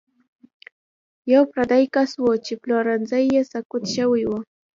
یو پردی کس و چې پلورنځی یې سقوط شوی و.